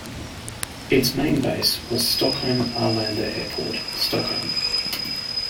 Its main base was Stockholm-Arlanda Airport, Stockholm.